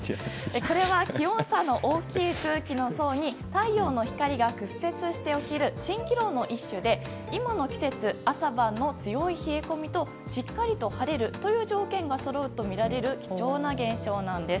これは気温差の大きい空気の層に太陽の光が屈折して起きる蜃気楼の一種で今の季節、朝晩の強い冷え込みとしっかりと晴れるという条件がそろうと見られる貴重な現象なんです。